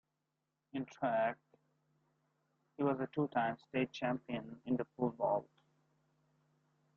In track, he was a two-time state champion in the pole vault.